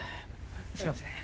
すいません。